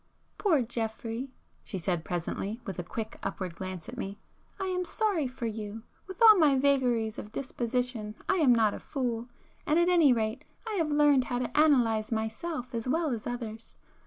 "Poor Geoffrey!" she said presently, with a quick upward glance at me,—"I am sorry for you! With all my vagaries of disposition I am not a fool, and at anyrate I have learned how to analyse myself as well as others.